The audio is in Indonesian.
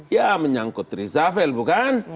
ya menyangkut rizafel bukan